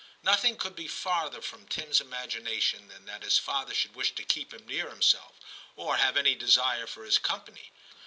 Nothing IX TIM 207 could be farther from Tim's imagination than that his father should wish to keep him near himself, or have any desire for his company.